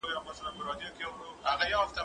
زه بايد نان وخورم؟